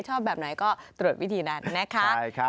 ชอบแบบไหนก็ตรวจวิธีนั้นนะคะ